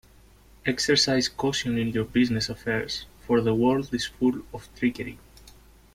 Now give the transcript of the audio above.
Exercise caution in your business affairs, for the world is full of trickery.